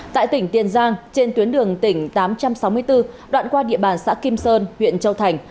tại tỉnh tiền giang trên tuyến đường tỉnh tám trăm sáu mươi bốn đoạn qua địa bàn xã kim sơn huyện châu thành